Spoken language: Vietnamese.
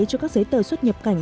cho các giấy tờ xuất nhập cảnh